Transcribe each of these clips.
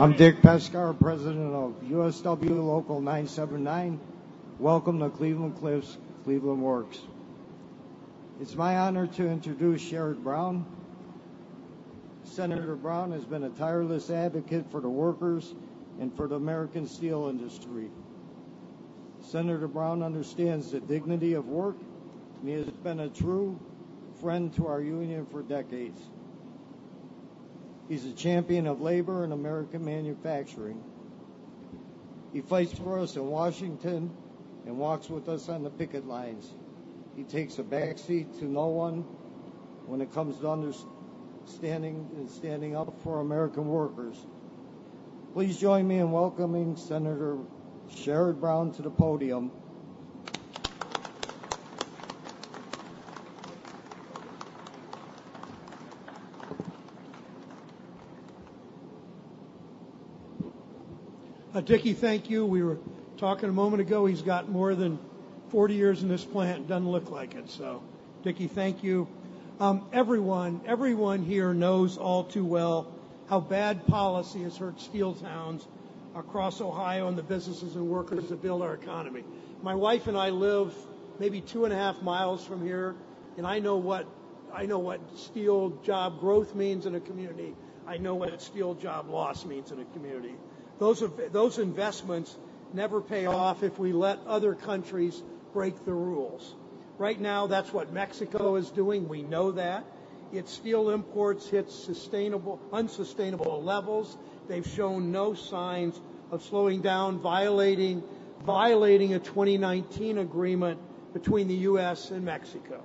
I'm Dan Pecsar, President of USW Local 979. Welcome to Cleveland-Cliffs, Cleveland Works. It's my honor to introduce Sherrod Brown. Senator Brown has been a tireless advocate for the workers and for the American steel industry. Senator Brown understands the dignity of work and has been a true friend to our union for decades. He's a champion of labor and American manufacturing. He fights for us in Washington and walks with us on the picket lines. He takes a backseat to no one when it comes to understanding and standing up for American workers. Please join me in welcoming Senator Sherrod Brown to the podium. Dickie, thank you. We were talking a moment ago. He's got more than 40 years in this plant. It doesn't look like it. So, Dickie, thank you. Everyone here knows all too well how bad policy has hurt steel towns across Ohio and the businesses and workers that build our economy. My wife and I live maybe 2.5 miles from here, and I know what steel job growth means in a community. I know what steel job loss means in a community. Those investments never pay off if we let other countries break the rules. Right now, that's what Mexico is doing. We know that. Its steel imports hit unsustainable levels. They've shown no signs of slowing down, violating a 2019 agreement between the U.S. and Mexico.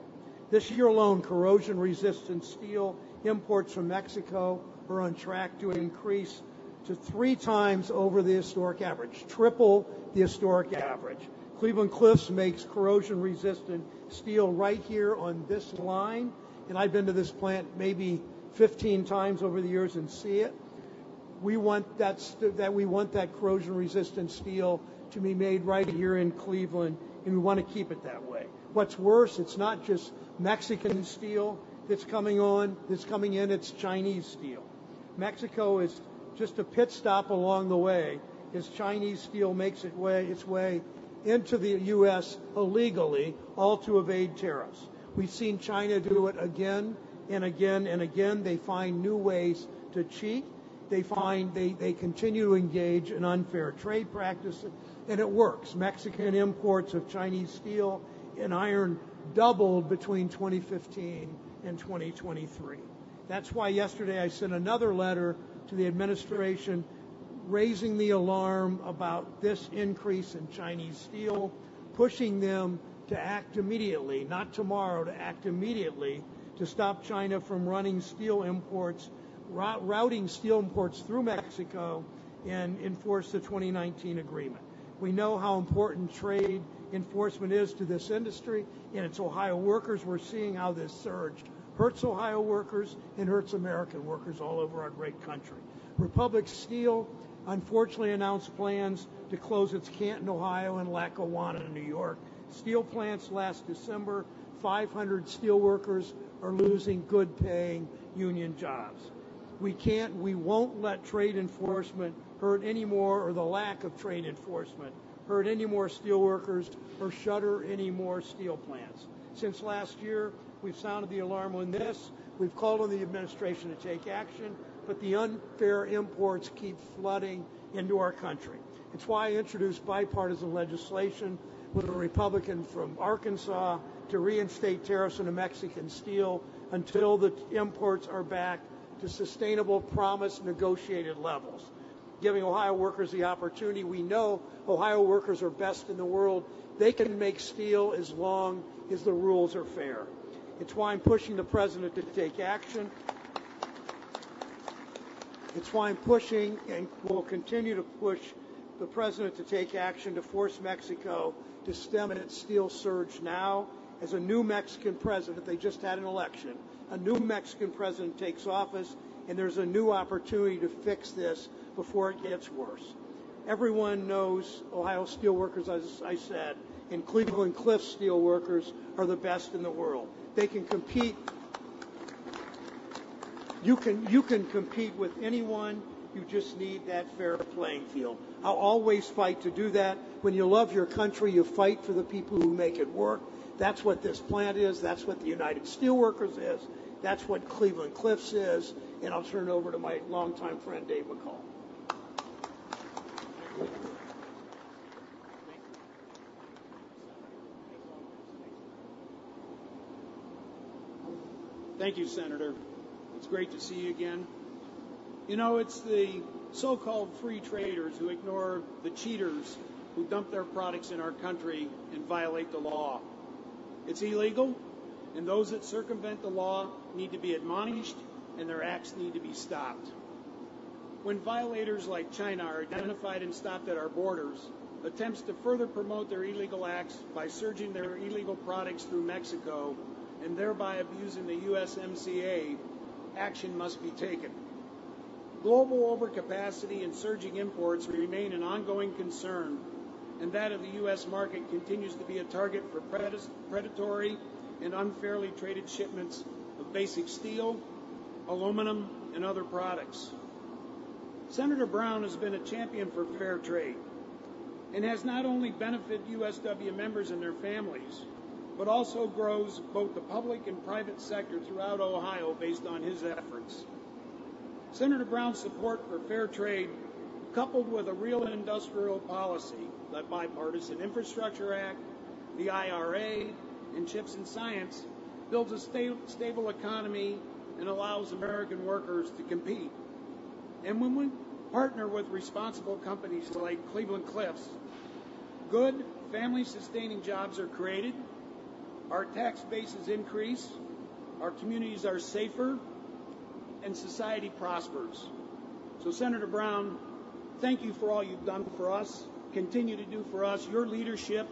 This year alone, corrosion-resistant steel imports from Mexico are on track to increase to three times over the historic average, triple the historic average. Cleveland-Cliffs makes corrosion-resistant steel right here on this line, and I've been to this plant maybe 15 times over the years and see it. We want that corrosion-resistant steel to be made right here in Cleveland, and we want to keep it that way. What's worse, it's not just Mexican steel that's coming in. It's Chinese steel. Mexico is just a pit stop along the way as Chinese steel makes its way into the U.S. illegally, all to evade tariffs. We've seen China do it again and again and again. They find new ways to cheat. They continue to engage in unfair trade practices, and it works. Mexican imports of Chinese steel and iron doubled between 2015 and 2023. That's why yesterday I sent another letter to the administration raising the alarm about this increase in Chinese steel, pushing them to act immediately, not tomorrow, to act immediately to stop China from running steel imports, routing steel imports through Mexico, and enforce the 2019 agreement. We know how important trade enforcement is to this industry, and it's Ohio workers. We're seeing how this surge hurts Ohio workers and hurts American workers all over our great country. Republic Steel, unfortunately, announced plans to close its Canton, Ohio and Lackawanna, New York steel plants last December, 500 steel workers are losing good-paying union jobs. We won't let trade enforcement hurt anymore or the lack of trade enforcement hurt any more steel workers or shutter any more steel plants. Since last year, we've sounded the alarm on this. We've called on the administration to take action, but the unfair imports keep flooding into our country. It's why I introduced bipartisan legislation with a Republican from Arkansas to reinstate tariffs on Mexican steel until the imports are back to sustainable promise negotiated levels, giving Ohio workers the opportunity. We know Ohio workers are best in the world. They can make steel as long as the rules are fair. It's why I'm pushing the President to take action. It's why I'm pushing and will continue to push the President to take action to force Mexico to stem its steel surge now. As a new Mexican President, they just had an election. A new Mexican President takes office, and there's a new opportunity to fix this before it gets worse. Everyone knows Ohio steel workers, as I said, and Cleveland-Cliffs steel workers are the best in the world. They can compete. You can compete with anyone. You just need that fair playing field. I'll always fight to do that. When you love your country, you fight for the people who make it work. That's what this plant is. That's what the United Steelworkers is. That's what Cleveland-Cliffs is. And I'll turn it over to my longtime friend, Dave McCall. Thank you, Senator. It's great to see you again. You know, it's the so-called free traders who ignore the cheaters who dump their products in our country and violate the law. It's illegal, and those that circumvent the law need to be admonished, and their acts need to be stopped. When violators like China are identified and stopped at our borders, attempts to further promote their illegal acts by surging their illegal products through Mexico and thereby abusing the USMCA, action must be taken. Global overcapacity and surging imports remain an ongoing concern, and that of the U.S. market continues to be a target for predatory and unfairly traded shipments of basic steel, aluminum, and other products. Senator Brown has been a champion for fair trade and has not only benefited USW members and their families, but also grows both the public and private sector throughout Ohio based on his efforts. Senator Brown's support for fair trade, coupled with a real industrial policy, the Bipartisan Infrastructure Act, the IRA, and CHIPS and Science, builds a stable economy and allows American workers to compete. When we partner with responsible companies like Cleveland-Cliffs, good, family-sustaining jobs are created, our tax bases increase, our communities are safer, and society prospers. So, Senator Brown, thank you for all you've done for us, continue to do for us. Your leadership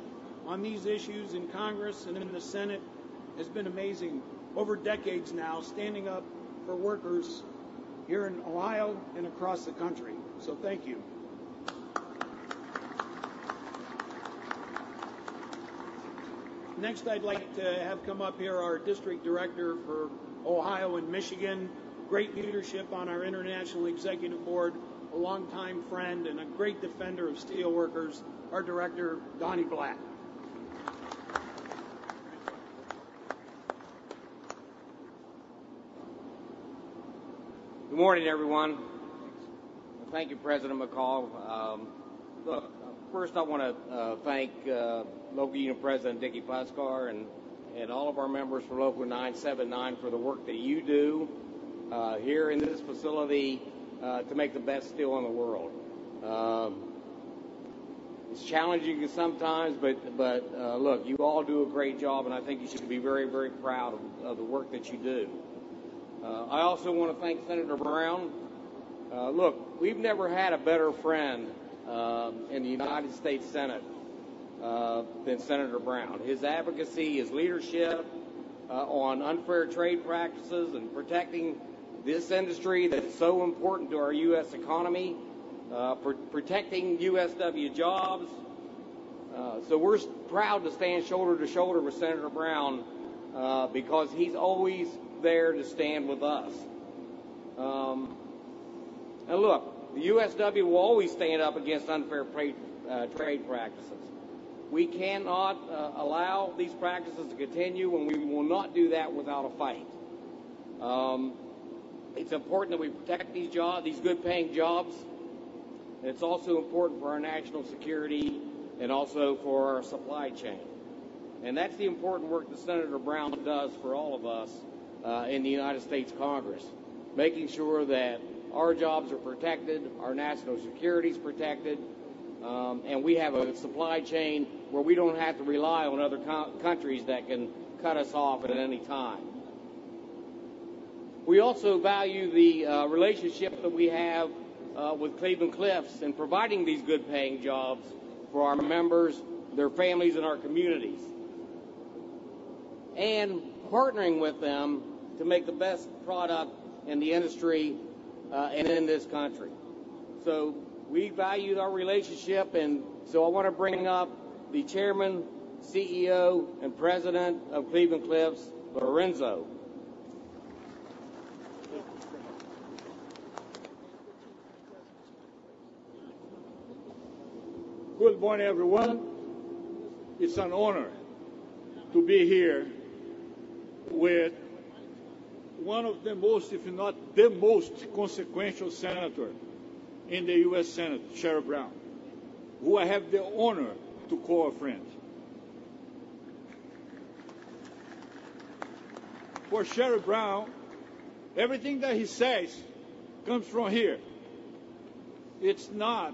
on these issues in Congress and in the Senate has been amazing over decades now, standing up for workers here in Ohio and across the country. So, thank you. Next, I'd like to have come up here our District Director for Ohio and Michigan, great leadership on our International Executive Board, a longtime friend and a great defender of steel workers, our Director, Donnie Blatt. Good morning, everyone. Thank you, President McCall. Look, first, I want to thank Lourenco, President Dan Pecsar, and all of our members from Local 979 for the work that you do here in this facility to make the best steel in the world. It's challenging sometimes, but look, you all do a great job, and I think you should be very, very proud of the work that you do. I also want to thank Senator Brown. Look, we've never had a better friend in the United States Senate than Senator Brown. His advocacy, his leadership on unfair trade practices and protecting this industry that's so important to our U.S. economy, protecting USW jobs. So, we're proud to stand shoulder to shoulder with Senator Brown because he's always there to stand with us. And look, the USW will always stand up against unfair trade practices. We cannot allow these practices to continue, and we will not do that without a fight. It's important that we protect these good-paying jobs, and it's also important for our national security and also for our supply chain. And that's the important work that Senator Brown does for all of us in the United States Congress, making sure that our jobs are protected, our national security is protected, and we have a supply chain where we don't have to rely on other countries that can cut us off at any time. We also value the relationship that we have with Cleveland-Cliffs in providing these good-paying jobs for our members, their families, and our communities, and partnering with them to make the best product in the industry and in this country. So, we value our relationship, and so I want to bring up the Chairman, CEO, and President of Cleveland-Cliffs, Lourenco. Good morning, everyone. It's an honor to be here with one of the most, if not the most consequential senators in the U.S. Senate, Sherrod Brown, who I have the honor to call a friend. For Sherrod Brown, everything that he says comes from here. It's not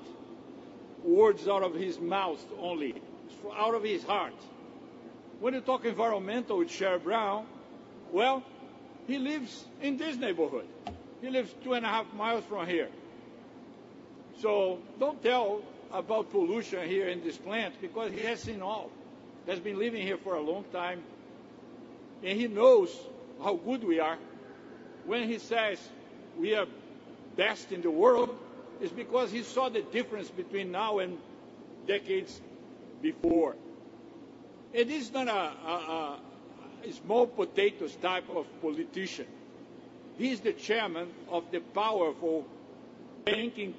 words out of his mouth only. It's out of his heart. When you talk environmental with Sherrod Brown, well, he lives in this neighborhood. He lives two and a half miles from here. So, don't tell about pollution here in this plant because he has seen all. He has been living here for a long time, and he knows how good we are. When he says we are best in the world, it's because he saw the difference between now and decades before. He's not a small potatoes type of politician. He's the Chairman of the powerful Senate Banking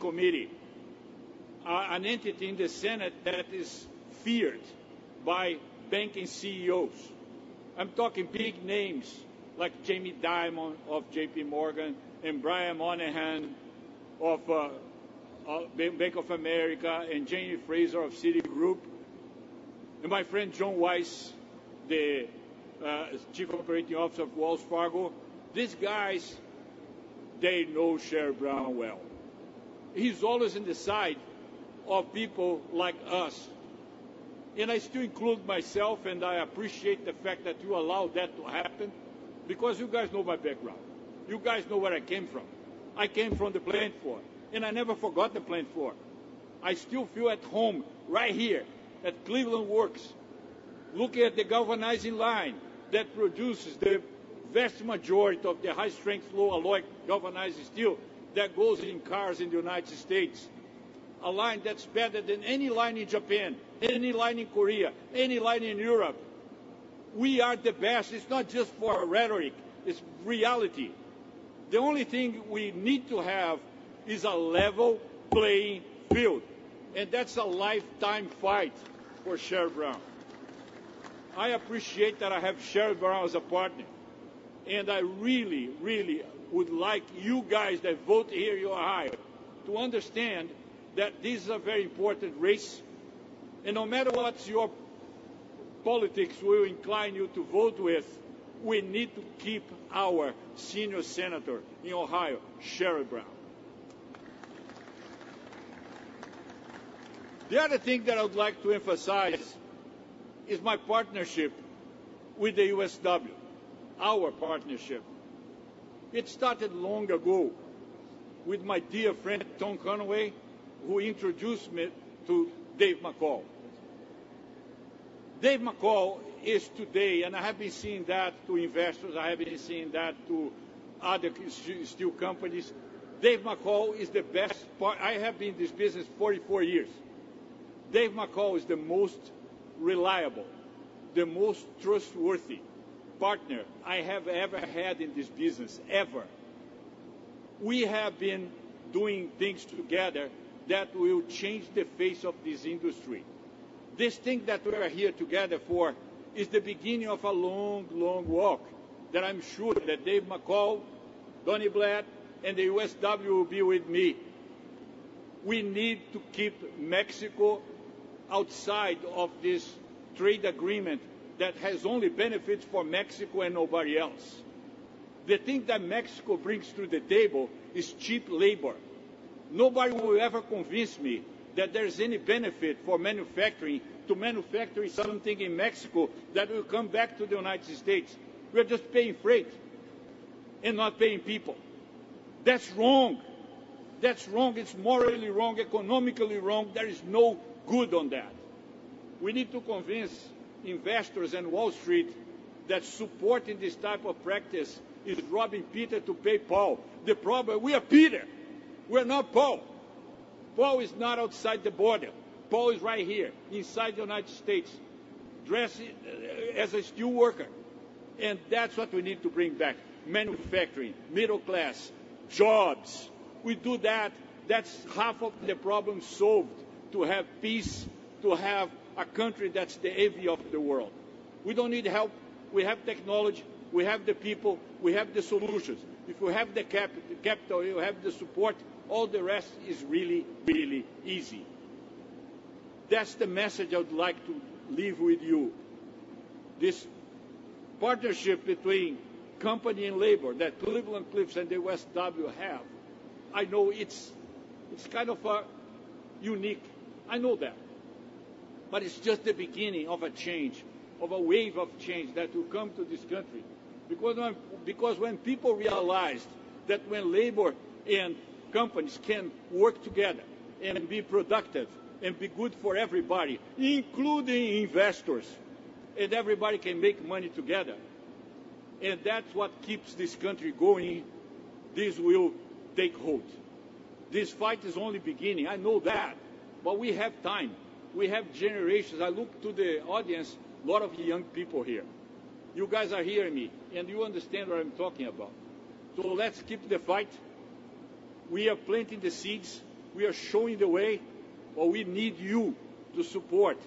Committee, an entity in the Senate that is feared by banking CEOs. I'm talking big names like Jamie Dimon of JP Morgan and Brian Moynihan of Bank of America and Jane Fraser of Citigroup, and my friend Jon Weiss, the Chief Operating Officer of Wells Fargo. These guys, they know Sherrod Brown well. He's always on the side of people like us. And I still include myself, and I appreciate the fact that you allowed that to happen because you guys know my background. You guys know where I came from. I came from the plant floor, and I never forgot the plant floor. I still feel at home right here at Cleveland Works, looking at the galvanizing line that produces the vast majority of the high-strength, low-alloy, galvanized steel that goes in cars in the United States, a line that's better than any line in Japan, any line in Korea, any line in Europe. We are the best. It's not just for rhetoric. It's reality. The only thing we need to have is a level playing field, and that's a lifetime fight for Sherrod Brown. I appreciate that I have Sherrod Brown as a partner, and I really, really would like you guys that vote here in Ohio to understand that this is a very important race. No matter what your politics will incline you to vote with, we need to keep our senior senator in Ohio, Sherrod Brown. The other thing that I would like to emphasize is my partnership with the USW, our partnership. It started long ago with my dear friend Tom Conway, who introduced me to Dave McCall. Dave McCall is today, and I have been seeing that to investors. I have been seeing that to other steel companies. Dave McCall is the best part. I have been in this business 44 years. Dave McCall is the most reliable, the most trustworthy partner I have ever had in this business, ever. We have been doing things together that will change the face of this industry. This thing that we are here together for is the beginning of a long, long walk that I'm sure that Dave McCall, Donnie Blatt, and the USW will be with me. We need to keep Mexico outside of this trade agreement that has only benefits for Mexico and nobody else. The thing that Mexico brings to the table is cheap labor. Nobody will ever convince me that there's any benefit for manufacturing to manufacture something in Mexico that will come back to the United States. We're just paying freight and not paying people. That's wrong. That's wrong. It's morally wrong, economically wrong. There is no good on that. We need to convince investors and Wall Street that supporting this type of practice is robbing Peter to pay Paul. The problem is we are Peter. We are not Paul. Paul is not outside the border. Paul is right here inside the United States dressed as a steel worker. And that's what we need to bring back: manufacturing, middle-class jobs. We do that. That's half of the problem solved to have peace, to have a country that's the envy of the world. We don't need help. We have technology. We have the people. We have the solutions. If we have the capital, you have the support, all the rest is really, really easy. That's the message I would like to leave with you. This partnership between company and labor that Cleveland-Cliffs and the USW have, I know it's kind of unique. I know that. But it's just the beginning of a change, of a wave of change that will come to this country because when people realized that when labor and companies can work together and be productive and be good for everybody, including investors, and everybody can make money together, and that's what keeps this country going, this will take hold. This fight is only beginning. I know that. But we have time. We have generations. I look to the audience, a lot of young people here. You guys are hearing me, and you understand what I'm talking about. So, let's keep the fight. We are planting the seeds. We are showing the way. But we need you to support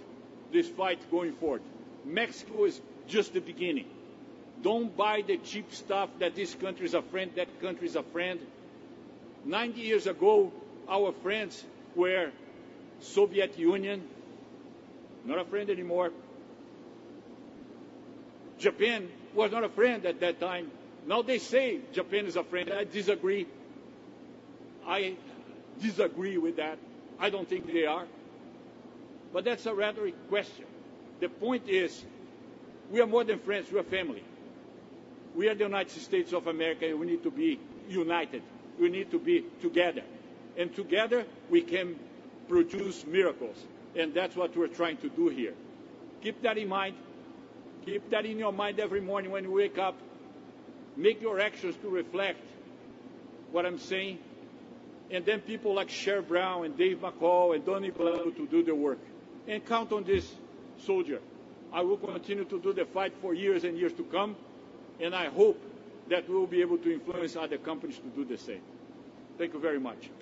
this fight going forward. Mexico is just the beginning. Don't buy the cheap stuff that this country is a friend, that country is a friend. 90 years ago, our friends were Soviet Union, not a friend anymore. Japan was not a friend at that time. Now they say Japan is a friend. I disagree. I disagree with that. I don't think they are. But that's a rhetorical question. The point is we are more than friends. We are family. We are the United States of America, and we need to be united. We need to be together. And together, we can produce miracles. And that's what we're trying to do here. Keep that in mind. Keep that in your mind every morning when you wake up. Make your actions to reflect what I'm saying. And then people like Sherrod Brown and Dave McCall and Donnie Blatt to do the work. And count on this soldier. I will continue to do the fight for years and years to come, and I hope that we will be able to influence other companies to do the same. Thank you very much.